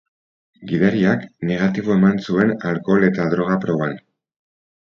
Gidariak negatibo eman zuen alkohol eta droga proban.